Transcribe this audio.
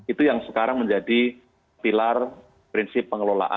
itu yang sekarang menjadi pilar prinsip pengelolaan